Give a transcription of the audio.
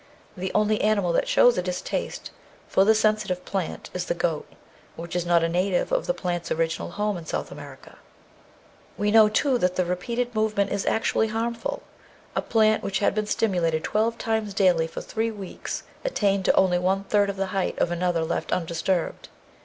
The only animal that shows a distaste for the Sensitive 624 The Outline of Science Plant is the goat, which is not a native of the plant's original home in South America. We know, too, that repeated move ment is actually harmful. A plant which had been stimulated twelve times daily for three weeks attained to only one third of the height of another left undisturbed.